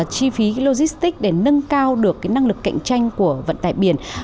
chi phí logistic để nâng cao được cái năng lực cạnh tranh của vận tải biển